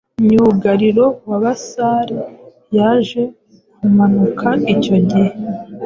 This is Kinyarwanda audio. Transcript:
Myugariro wabasare yaje kumanuka icyo gihe